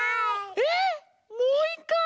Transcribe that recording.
えっもういっかい？